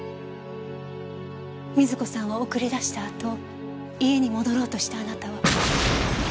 瑞子さんを送り出したあと家に戻ろうとしたあなたは。